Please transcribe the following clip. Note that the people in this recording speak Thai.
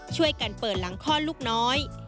ช่วยกันเปิดหลังคลอดลูกน้อย